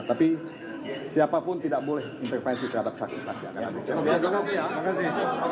tapi siapapun tidak boleh intervensi terhadap saksi saksi